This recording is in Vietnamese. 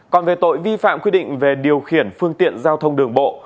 còn về tội vi phạm quy định về điều khiển phương tiện giao thông đường bộ